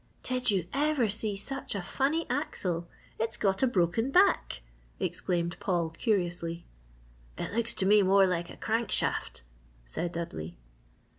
"Did you ever see such a funny axle it's got a broken back!" exclaimed Paul, curiously. "It looks to me more like a crankshaft," said Dudley.